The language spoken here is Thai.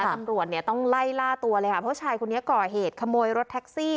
ตำรวจเนี่ยต้องไล่ล่าตัวเลยค่ะเพราะชายคนนี้ก่อเหตุขโมยรถแท็กซี่